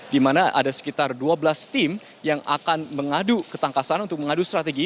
di mana ada sekitar dua belas tim yang akan mengadu ketangkasan untuk mengadu strategi